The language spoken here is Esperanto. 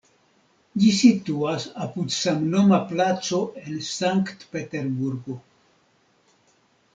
Ĝi situas apud samnoma placo en Sankt-Peterburgo.